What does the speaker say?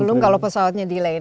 belum kalau pesawatnya di lain